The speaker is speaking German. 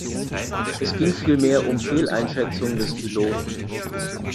Es ging vielmehr um Fehleinschätzungen des Piloten.